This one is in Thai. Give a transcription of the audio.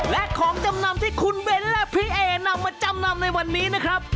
และของจำนำที่คุณเบ้นและพี่เอนำมาจำนำในวันนี้นะครับ